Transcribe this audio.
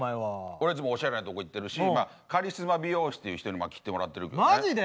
俺いつもおしゃれなとこ行ってるしカリスマ美容師という人に切ってもらってるけどね。